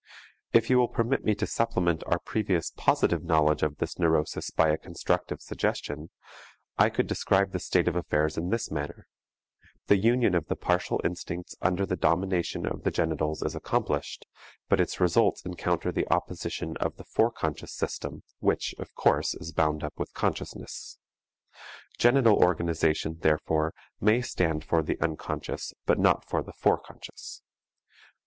If you will permit me to supplement our previous positive knowledge of this neurosis by a constructive suggestion, I could describe the state of affairs in this manner: the union of the partial instincts under the domination of the genitals is accomplished, but its results encounter the opposition of the fore conscious system which, of course, is bound up with consciousness. Genital organization, therefore, may stand for the unconscious but not for the fore conscious.